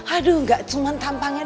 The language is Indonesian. aduh gak cuman tampangnya doang